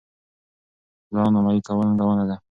پلان عملي کول ننګونه ده.